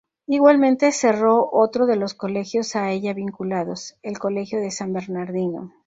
Igualmente cerró otro de los colegios a ella vinculados, el Colegio de San Bernardino.